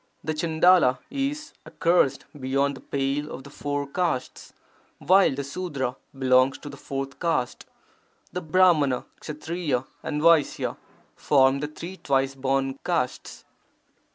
[The Chandala is accursed beyond the pale of the four castes, while the Sudra belongs to the fourth caste. The Brahmana, Ksatriya, and Vaisya form the three twice born castes.